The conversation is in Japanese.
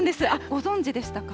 ご存じでしたか？